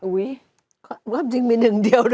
อุ้ยความจริงมีหนึ่งเดียวด้วย